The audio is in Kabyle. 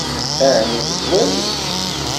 Ɛni tezwar-ik?